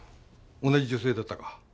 同じ女性だったか？